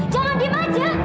jangan dia saja